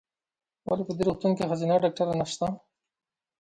ولې په دي روغتون کې ښځېنه ډاکټره نسته ؟